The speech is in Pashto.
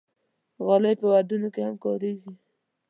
غالۍ په ودونو کې هم کارېږي.